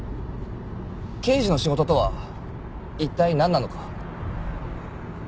刑事の仕事とは一体なんなのか。